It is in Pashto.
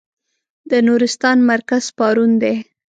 د نورستان مرکز پارون دی.